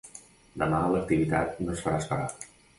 Demà l’activitat no es farà esperar.